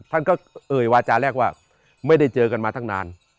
ท่านก็เอ่ยวาจาแรกว่าไม่ได้เจอกันมาตั้งนาน